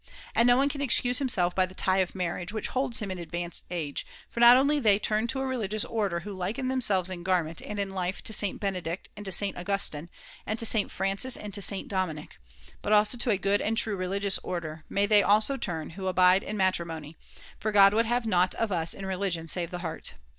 And no one can excuse himself by the tie of marriage which holds him in advanced age ; for not only they turn to a religious order who liken them selves in garment and in life to St. Benedict and to St. Augustine, and to St. [^70] Francis and to St. Dominic, but to a good and true religious order may they also turn who abide in matri mony, for God would have nought of us in religion save the heart.